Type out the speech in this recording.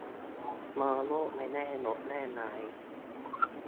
มองโลกในแง่ลบแง่ร้าย